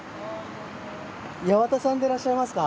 矢幡さんでいらっしゃいますか？